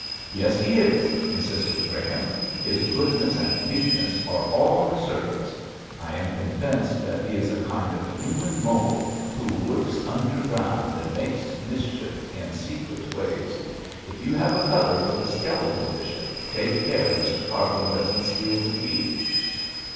'Yes, he is,' insisted Graham; 'his goodness and meekness are all on the surface! I am convinced that he is a kind of human mole who works underground, and makes mischief in secret ways. If you have a cupboard with a skeleton, bishop, take care Mr Cargrim doesn't steal the key.'